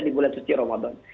di bulan suci ramadan